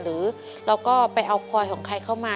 หรือเราก็ไปเอาพลอยของใครเข้ามา